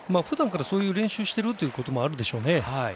ふだんからそういう練習しているということもあるでしょうね。